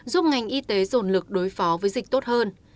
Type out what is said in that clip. giúp ngành y tế dồn lực đối phó với dịch tốt hơn